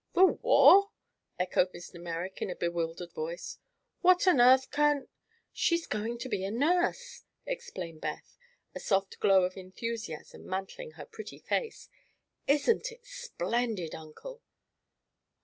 "The war!" echoed Mr. Merrick in a bewildered voice. "What on earth can " "She is going to be a nurse," explained Beth, a soft glow of enthusiasm mantling her pretty face. "Isn't it splendid, Uncle!"